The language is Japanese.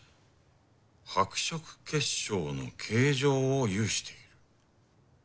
「白色結晶の形状を有している」。